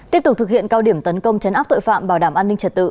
tiếp tục thực hiện cao điểm tấn công chấn áp tội phạm bảo đảm an ninh trật tự